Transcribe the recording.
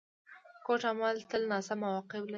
کوږ عمل تل ناسم عواقب لري